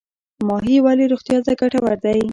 ماهي ولې روغتیا ته ګټور دی؟